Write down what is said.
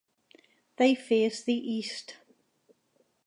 They face the east.